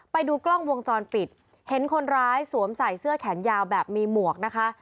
ไปดูกล้องวงจรปิดเห็นคนร้ายสวมใส่เสื้อแขนยาวแบบมีหมวกนะคะ